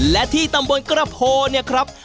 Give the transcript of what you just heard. และที่ตำบลกระโพเนี่ยครับ